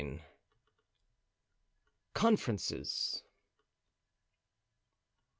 Conferences.